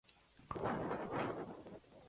Y la historia se sigue escribiendo...